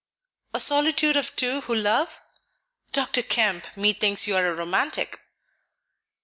"A solitude of two who love? Dr. Kemp, methinks you are a romantic."